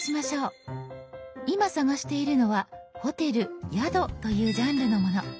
今探しているのは「ホテル・宿」というジャンルのもの。